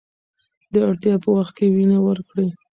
د اړتیا په وخت کې وینه ورکړئ.